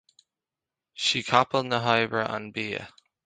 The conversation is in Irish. Sí capall na hoibre an bia